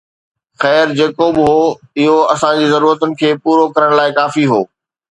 خير، جيڪو به هو، اهو اسان جي ضرورتن کي پورو ڪرڻ لاء ڪافي هو